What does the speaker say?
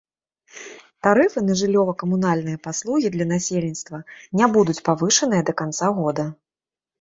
Тарыфы на жыллёва-камунальныя паслугі для насельніцтва не будуць павышаныя да канца года.